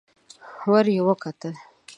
ور ويې کتل.